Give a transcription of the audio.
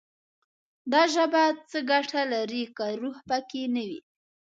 دا ژبه څه ګټه لري، که روح پکې نه وي»